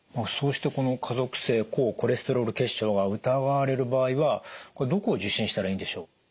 そうしてこの家族性高コレステロール血症が疑われる場合はこれどこを受診したらいいんでしょう？